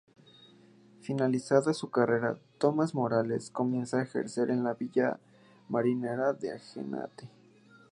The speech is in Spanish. Finalizada su carrera, Tomás Morales comienza a ejercer en la villa marinera de Agaete.